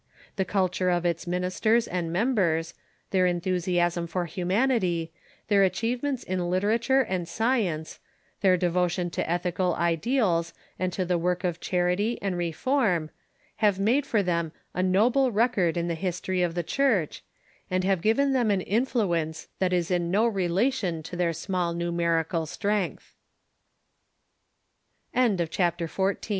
The culture of its ministers and members, their enthusiasm for humanity, their achievements in literature and science, their devotion to ethical ideals and to the work of charity and reform, have made for them a noble record in the history of the Church, and have given them an influence that is in no relation to their small nume